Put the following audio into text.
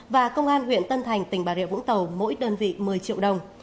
và công an huyện tân thành tỉnh bà rịa vũng tàu mỗi đơn vị một mươi triệu đồng